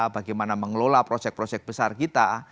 bagaimana mengelola proyek proyek besar kita